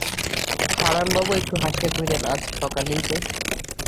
হারানবাবু একটু হাসিয়া কহিলেন, আজ সকালেই যে!